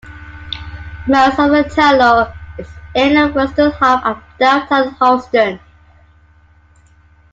Most of the Tunnel is in the western half of downtown Houston.